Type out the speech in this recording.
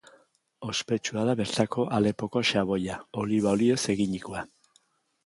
Ospetsua da bertako Alepoko xaboia, oliba olioz eginikoa.